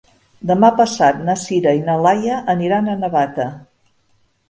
Demà passat na Sira i na Laia aniran a Navata.